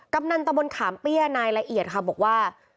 กำนันตะบนขามเปี้ยนายละเอียดค่ะบอกว่า